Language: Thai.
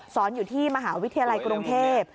อยู่ที่มหาวิทยาลัยกรุงเทพ